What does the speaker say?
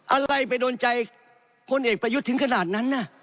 อะไรไปโดนใจพลเอกประยุทธ์ถึงขนาดนั้นน่ะ